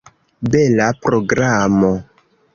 Bela programo!